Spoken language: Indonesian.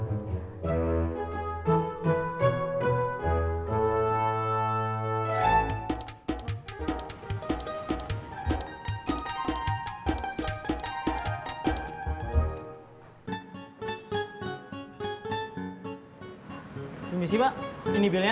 ini sih pak ini belnya